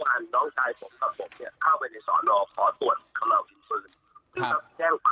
เข้าไปในสอนเราขอตรวจเขามาเอาอินทรืน